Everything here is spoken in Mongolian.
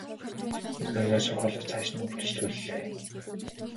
Энэ маягаар сургуулиа цааш нь үргэлжлүүллээ.